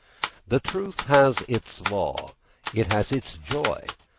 The truth has its law, it has its joy.